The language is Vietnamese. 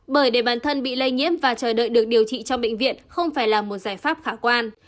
bởi để bản thân bị lây nhiễm và chờ đợi được điều trị trong bệnh viện không phải là một giải pháp khả quan